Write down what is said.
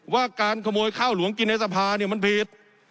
ว่าการขโมยข้าวหลวงกินในสภาเนี่ยมันผิด